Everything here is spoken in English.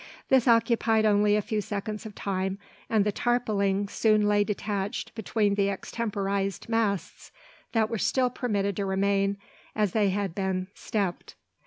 This occupied only a few seconds of time; and the tarpauling soon lay detached between the extemporised masts, that were still permitted to remain as they had been "stepped."